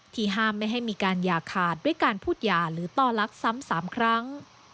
ห้ามไม่ให้มีการอย่าขาดด้วยการพูดหย่าหรือต่อลักซ้ำ๓ครั้ง